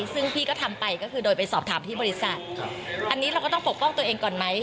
ซึ่งพี่ก็ทำไปก็คือโดยไปสอบถามที่บริษัทอันนี้เราก็ต้องปกป้องตัวเองก่อนไหม